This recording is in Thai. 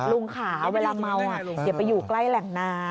ลุงค่ะเวลาเมาอย่าไปอยู่ใกล้แหล่งน้ำ